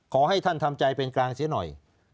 ขอให้ท่านทำใจเป็นกลางเสียหน่อย